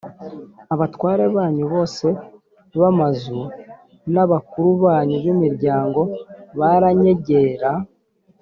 abatware banyu bose b’amazu n’abakuru banyu b’imiryango baranyegera,